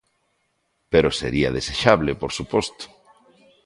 Pero sería desexable, por suposto.